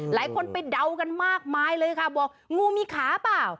หลายคนไปเดากันมากมายเลยค่ะบอกงูมีขาเปล่า